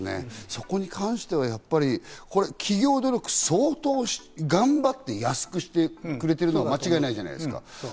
そこに関してはやっぱり企業努力を相当頑張って安くしてくれているのは間違いないじゃないですか。